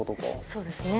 そうですね。